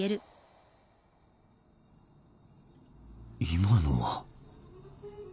今のは？